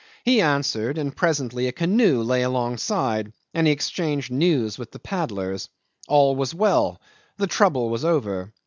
He answered, and presently a canoe lay alongside, and he exchanged news with the paddlers. All was well. The trouble was over.